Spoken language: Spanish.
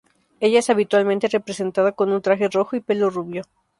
Ella es habitualmente representada con un traje rojo y pelo rubio.